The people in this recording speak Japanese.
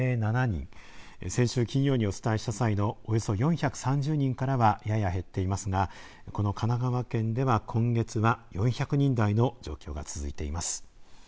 先週金曜にお伝えした際のおよそ４３０人からはやや減っていますがこの神奈川県では今月は４００人台の状況が続いています。